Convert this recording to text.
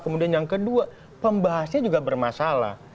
kemudian yang kedua pembahasnya juga bermasalah